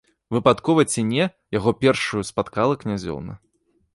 Выпадкова ці не, яго першаю спаткала князёўна.